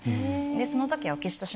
その時は。